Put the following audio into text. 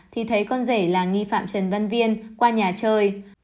thì thấy con rể là nghi phạm trần văn viên qua nhà chơi